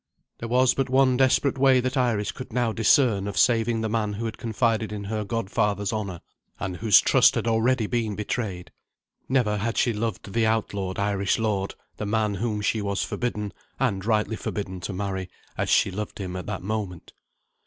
There was but one desperate way that Iris could now discern of saving the man who had confided in her godfather's honour, and whose trust had already been betrayed. Never had she loved the outlawed Irish lord the man whom she was forbidden, and rightly forbidden, to marry as she loved him at that moment.